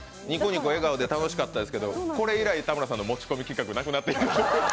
にこにこ笑顔で楽しかったですけど、これ以来、田村さんの持ち込み企画なくなっていきました。